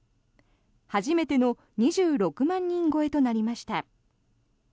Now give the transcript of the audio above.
初めての２６万人超えとなりました。